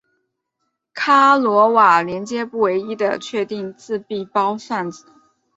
伽罗瓦连接不唯一的确定自闭包算子。